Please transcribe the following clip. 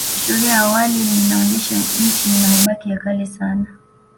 Historia ya awali inaonyesha Nchi ina mabaki ya kale sana